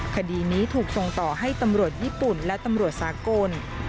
คดีนี้ถูกส่งต่อให้ตำรวจญี่ปุ่นและตำรวจสากล